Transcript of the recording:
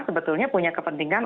sebetulnya punya kepentingan